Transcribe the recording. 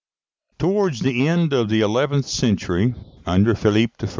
Towards the end of the eleventh century, under Philip I.